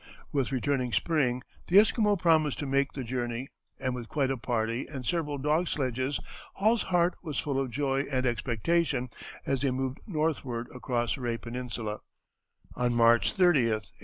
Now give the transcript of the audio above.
With returning spring the Esquimaux promised to make the journey, and with quite a party and several dog sledges Hall's heart was full of joy and expectation as they moved northward across Rae Peninsula, on March 30, 1866.